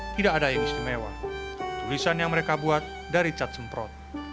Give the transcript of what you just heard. tidak ada yang istimewa tulisan yang mereka buat dari cat semprot